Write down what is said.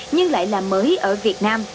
nhưng lại là mới ở việt nam